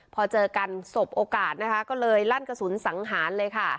พอเจอกันสบโอกาสนะคะก็เลยลั่นกระสุนสังหารเลยค่ะ